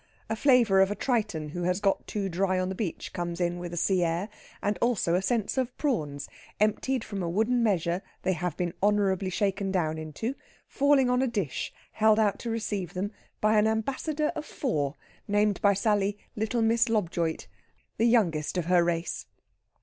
A flavour of a Triton who has got too dry on the beach comes in with the sea air, and also a sense of prawns, emptied from a wooden measure they have been honourably shaken down into, falling on a dish held out to receive them by an ambassador of four, named by Sally little Miss Lobjoit, the youngest of her race.